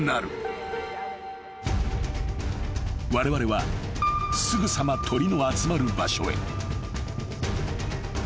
［われわれはすぐさま鳥の集まる場所へ］